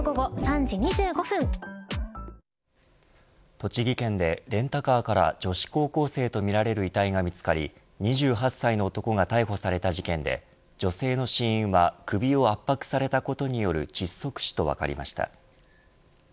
栃木県でレンタカーから女子高校生とみられる遺体が見つかり２８歳の男が逮捕された事件で女性の死因は首を圧迫されたことによる窒息死と分かりました。